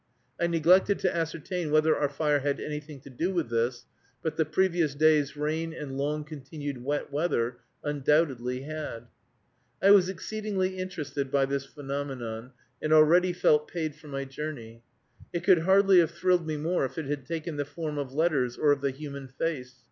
I neglected to ascertain whether our fire had anything to do with this, but the previous day's rain and long continued wet weather undoubtedly had. I was exceedingly interested by this phenomenon, and already felt paid for my journey. It could hardly have thrilled me more if it had taken the form of letters, or of the human face.